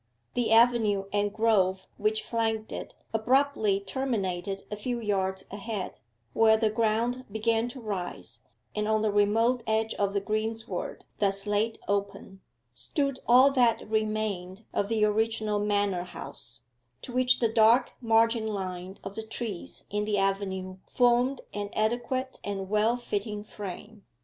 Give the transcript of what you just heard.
The avenue and grove which flanked it abruptly terminated a few yards ahead, where the ground began to rise, and on the remote edge of the greensward thus laid open, stood all that remained of the original manor house, to which the dark margin line of the trees in the avenue formed an adequate and well fitting frame.